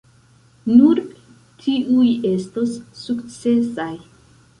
Nur tiuj estos sukcesaj.